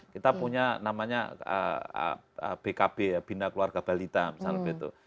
kita punya namanya bkb ya bina keluarga balita misalnya begitu